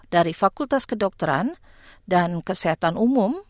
dari fakultas kedokteran dan kesehatan umum